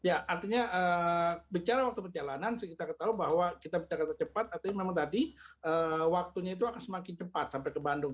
ya artinya bicara waktu perjalanan kita ketahui bahwa kita bicara kereta cepat artinya memang tadi waktunya itu akan semakin cepat sampai ke bandung